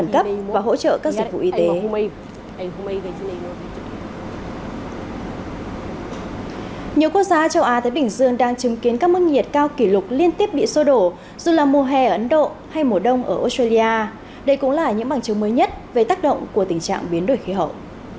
nhiều quốc gia châu á thái bình dương đang chứng kiến các mức nhiệt cao kỷ lục liên tiếp bị sô đổ dù là mùa hè ở ấn độ hay mùa đông ở australia đây cũng là những bằng chứng mới nhất về tác động của tình trạng biến đổi khí hậu